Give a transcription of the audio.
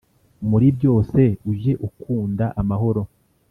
muri byose ujye ukunda amahoro